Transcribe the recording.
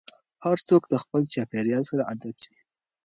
هر څوک له خپل چاپېريال سره عادت وي.